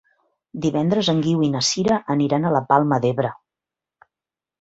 Divendres en Guiu i na Sira aniran a la Palma d'Ebre.